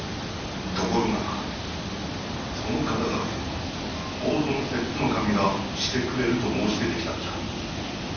ところがその肩代わりを大友摂津守がしてくれると申し出てきたのじゃ。